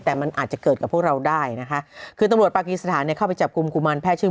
แต่มันอาจจะเกิดกับพวกเราได้นะคะคือตำรวจปากีสถานเนี่ยเข้าไปจับกลุ่มกุมารแพรชื่อ